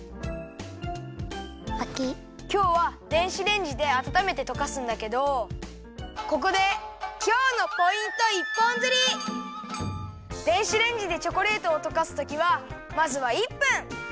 きょうは電子レンジであたためてとかすんだけどここで電子レンジでチョコレートをとかすときはまずは１分！